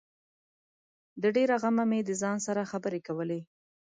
د ډېره غمه مې د ځان سره خبري کولې